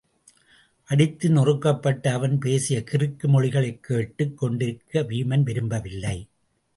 அடித்து நொறுக்கப் பட்ட அவன் பேசிய கிறுக்கு மொழிகளைக் கேட்டுக் கொண்டிருக்க வீமன் விரும்பவில்லை.